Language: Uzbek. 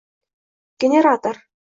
«Generator»